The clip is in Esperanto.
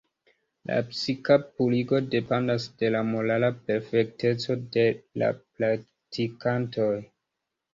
La psika purigo dependas de la morala perfekteco de de la praktikantoj.